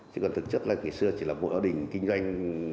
chứ còn thực chất là ngày xưa chỉ là một hội gia đình kinh doanh